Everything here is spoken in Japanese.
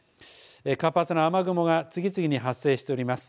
活発な雨雲が次々に発生しております。